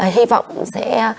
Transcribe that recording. hy vọng sẽ